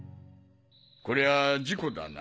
こりゃ事故だな。